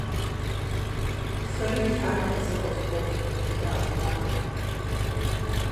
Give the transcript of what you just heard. - Фэри Тхьэр арэзы къыфхухъу, - жиӏащ бажэм.